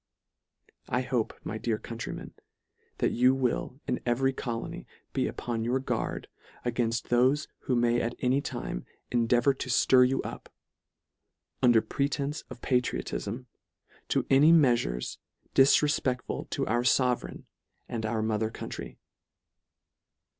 I hope, my dear countrymen, that you will in every colony be upon your guard a gainft thofe who may at any time endeavour to ftir you up, under pretences of patriotifm, to any meafures difrefpectful to our fovereign and our mother country.